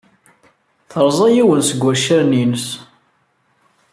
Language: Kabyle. Terẓa yiwen seg waccaren-nnes.